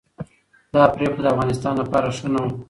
دا پریکړه د افغانستان لپاره ښه نه وه.